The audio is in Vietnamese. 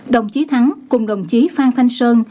đồng chí thắng cùng đồng chí phan thanh sơn